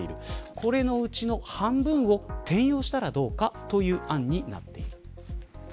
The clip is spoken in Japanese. これうちの半分を転用したらどうかという案になっている。